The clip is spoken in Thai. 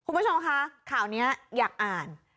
คุณผู้ชมคะข่าวนี้อยากอ่าน